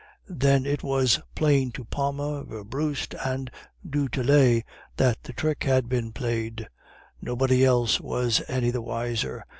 "Then it was plain to Palma, Werbrust, and du Tillet that the trick had been played. Nobody else was any the wiser.